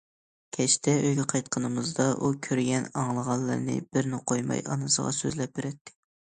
كەچتە ئۆيگە قايتقىنىمىزدا ئۇ كۆرگەن- ئاڭلىغانلىرىنى بىرنى قويماي ئانىسىغا سۆزلەپ بېرەتتى.